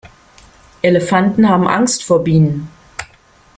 Elefanten haben Angst vor Bienen.